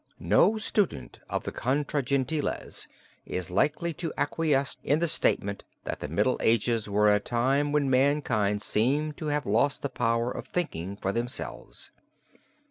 No student of the Contra Gentiles is likely to acquiesce in the statement that the Middle Ages were a time when mankind seemed to have lost the power of thinking for themselves.